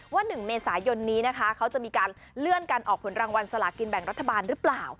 ว่า๑เมษายนนี้นะคะเขาจะมีการเลื่อนการออกผลรางวัลสลากินแบ่งรัฐบาลหรือเปล่า